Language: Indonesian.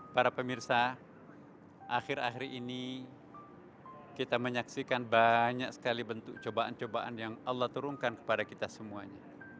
para pemirsa akhir akhir ini kita menyaksikan banyak sekali bentuk cobaan cobaan yang allah turunkan kepada kita semuanya